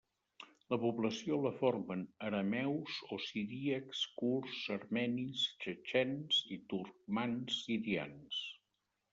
La població la formen arameus o siríacs, kurds, armenis, txetxens i turcmans sirians.